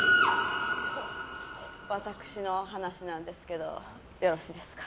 私の話なんですけどよろしいですか。